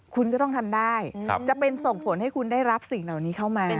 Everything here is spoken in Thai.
คุณก็ต้องทำได้จะเป็นส่งผลให้คุณได้รับสิ่งเหล่านี้เข้ามา